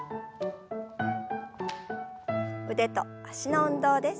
腕と脚の運動です。